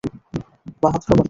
বাহাদুর আবার কে?